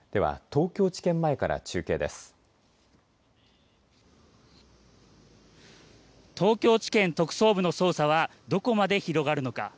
東京地検特捜部の捜査はどこまで広がるのか。